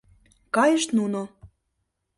Кайышт нуно.